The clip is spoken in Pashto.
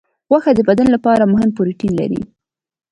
غوښه د بدن لپاره مهم پروټین لري.